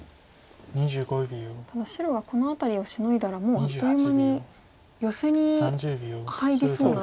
ただ白がこの辺りをシノいだらもうあっという間にヨセに入りそうな。